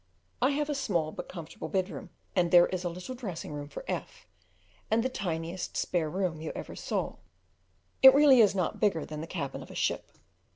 I have a small but comfortable bedroom, and there is a little dressing room for F and the tiniest spare room you ever saw; it really is not bigger than the cabin of a ship.